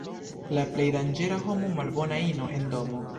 La plej danĝera homo — malbona ino en domo.